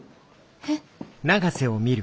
えっ？